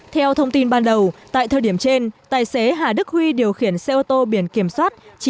theo thông tin ban đầu tại thời điểm trên tài xế hà đức huy điều khiển xe ô tô biển kiểm soát